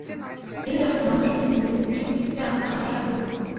Энэ явцад Монгол Улсын зүгээс төдийлөн идэвхтэй анхаарч ажиллаагүй юм.